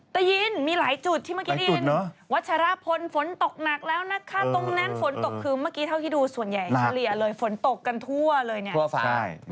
ได้ยินมีหลายจุดที่เมื่อกี้ได้ยินวัชรพลฝนตกหนักแล้วนะคะตรงนั้นฝนตกคือเมื่อกี้เท่าที่ดูส่วนใหญ่เฉลี่ยเลยฝนตกกันทั่วเลยเนี่ย